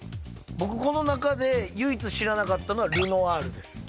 僕この中で唯一知らなかったのはルノアールです